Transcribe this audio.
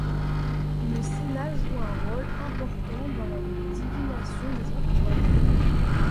Le sénat joue un rôle important dans la divinisation des empereurs.